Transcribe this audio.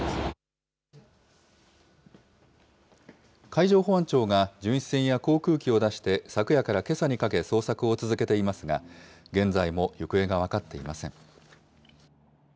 海上保安庁が巡視船や航空機を出して、昨夜からけさにかけ、捜索を続けていますが、現在も行方が分かっていません。